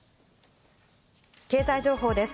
経済情報です。